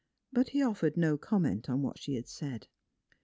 But he offered no comment on what she had said.